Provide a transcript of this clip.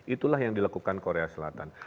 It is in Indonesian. itulah yang dilakukan korea selatan